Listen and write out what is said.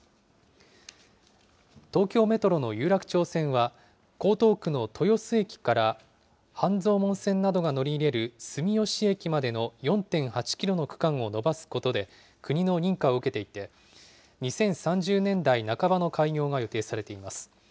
東京メトロの有楽町線は、江東区の豊洲駅から半蔵門線などが乗り入れる住吉駅までの４．８キロの区間をのばすことで、国の認可を受けていて、２０３０年代半ばの開業が予定されています。